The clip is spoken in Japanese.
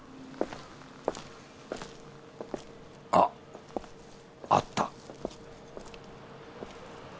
あっあった